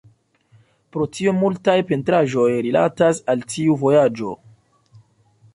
Pro tio multaj pentraĵoj rilatas al tiu vojaĝo.